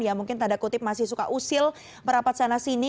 ya mungkin tanda kutip masih suka usil merapat sana sini